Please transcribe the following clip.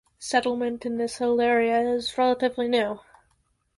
Settlement in this hilled area is relatively new.